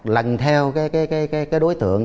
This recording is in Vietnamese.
lần theo đối tượng